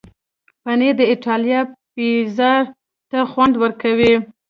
پنېر د ایټالیا پیزا ته خوند ورکوي.